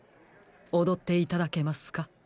おどっていただけますか？